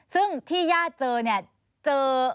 ซึ่งที่ญาติเจอเนี่ยเจอ